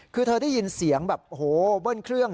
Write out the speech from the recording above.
คือเธอได้ยินเสียงแบบโอ้โหเบิ้ลเครื่อง